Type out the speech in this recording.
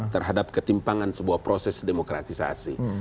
terhadap ketimpangan sebuah proses demokratisasi